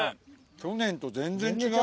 去年と全然違う。